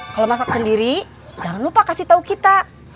kalo masak sendiri jangan lupa kasih tau kita